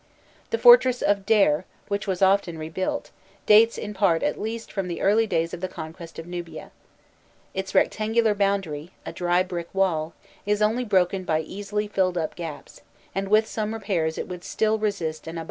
The fortress of Derr [Kubbân? Ed.], which was often rebuilt, dates in part at least from the early days of the conquest of Nubia. Its rectangular boundary a dry brick wall is only broken by easily filled up gaps, and with some repairs it would still resist an Ababdeh attack.